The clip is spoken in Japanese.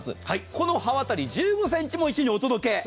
この刃渡り１５ｃｍも一緒にお届け。